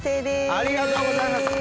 ありがとうございます！